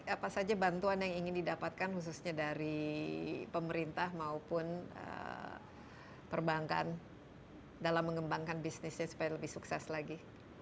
apa saja bantuan yang ingin didapatkan khususnya dari pemerintah maupun perbankan dalam mengembangkan bisnisnya supaya lebih sukses lagi